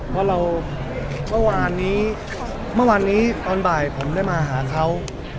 เพราะเราเมื่อวานนี้เมื่อวานนี้ตอนบ่ายผมได้มาหาเขา